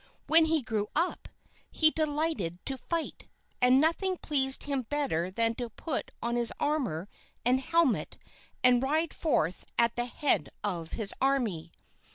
When he grew up, he delighted to fight; and nothing pleased him better than to put on his armor and helmet and ride forth at the head of his army.